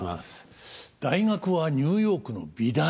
大学はニューヨークの美大！